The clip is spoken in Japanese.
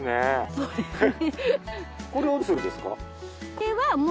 そうですね。